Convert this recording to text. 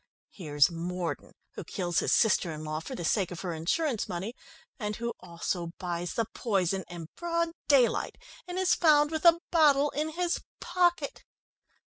Here's Morden, who kills his sister in law for the sake of her insurance money, and who also buys the poison in broad daylight, and is found with a bottle in his pocket.